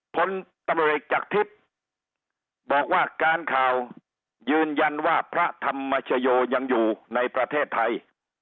ผลตำรวจเอกจากทิพย์บอกว่าการข่าวยืนยันว่าพระธรรมชโยยังอยู่ในประเทศไทย